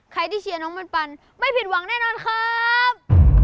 ใครที่เชียร์น้องปันไม่ผิดหวังแน่นอนครับ